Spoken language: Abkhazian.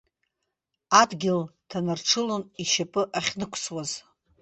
Адгьыл ҭанарҽылон ишьапы ахьнықәсуаз.